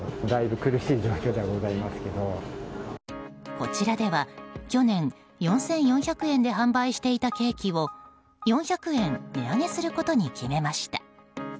こちらでは去年、４４００円で販売していたケーキを４００円値上げすることに決めました。